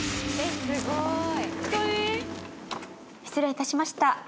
失礼いたしました。